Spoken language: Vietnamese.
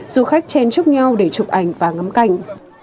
du khách chen chúc nhau để chụp ảnh và ngắm cành